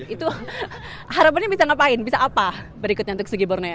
itu harapannya bisa ngapain bisa apa berikutnya untuk segi borneo